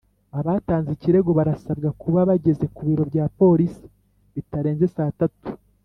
abatanze ikirego barasabwa kuba bageze ku biro bya Polisi bitarenze saa tatu